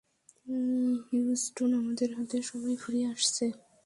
Houston, আমাদের হাতে সময় ফুরিয়ে আসছে।